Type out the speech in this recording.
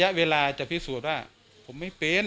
ระยะเวลาจะพิสูจน์ว่าผมไม่เป็น